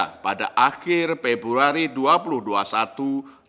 tapi daftarkan dengan keinginan